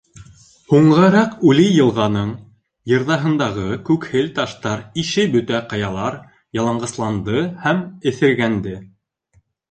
Һуңғараҡ үле йылғаның йырҙаһындағы күкһел таштар ише бөтә ҡаялар яланғасланды һәм эҫергәнде.